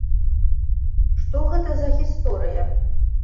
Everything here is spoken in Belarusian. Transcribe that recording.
Што гэта за гісторыя?